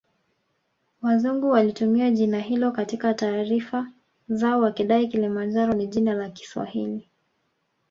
Wazungu walitumia jina hilo katika taarifa zao wakidai Kilimanjaro ni jina la Kiswahili